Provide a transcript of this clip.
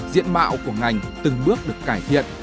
diện mạo của ngành từng bước được cải thiện